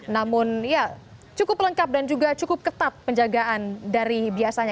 namun ya cukup lengkap dan juga cukup ketat penjagaan dari biasanya